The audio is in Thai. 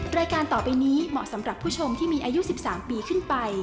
รายการต่อไปนี้เหมาะสำหรับผู้ชมที่มีอายุ๑๓ปีขึ้นไป